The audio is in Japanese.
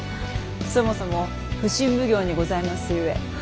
そもそも普請奉行にございますゆえ。